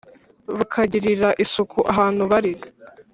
bakagirira isuku ahantu bari